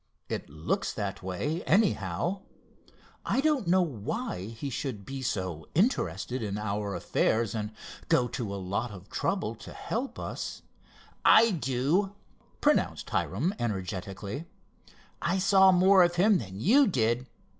"It looks that way, anyhow. I don't know why he should be so interested in our affairs and go to a lot of trouble to help us——" "I do," pronounced Hiram energetically. "I saw more of him than you did.